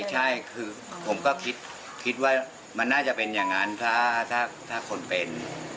ใช่คือผมก็คิดว่ามันน่าจะเป็นอย่างนั้นถ้าคนเป็น